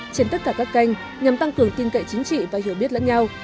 trên tất cả các kênh nhằm tăng cường tin cậy chính trị và hiểu biết lẫn nhau